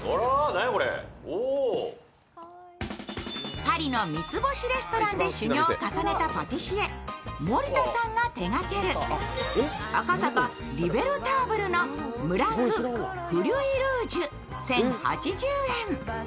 パリの三つ星レストランで修業を重ねたパティシエ、森田さんが手がける赤坂リベルターブルのムラングフリュイルージュ１０８０円。